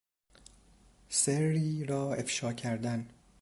سری را افشا کردن